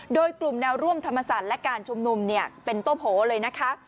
โดยกลุ่มแนวร่วมธรรมศาสตร์และการชุมนุมเป็นโต้โผเลยนะคะ